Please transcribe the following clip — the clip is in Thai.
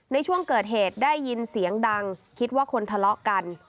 ในช่วงเกิดเหตุได้ยินเสียงดังคิดว่าคนทะเลาะกัน